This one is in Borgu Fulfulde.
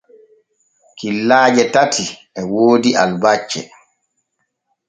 Killaaje tati e woodi albacce.